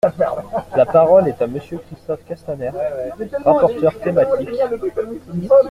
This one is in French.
La parole est à Monsieur Christophe Castaner, rapporteur thématique.